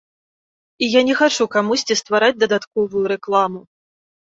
І я не хачу камусьці ствараць дадатковую рэкламу.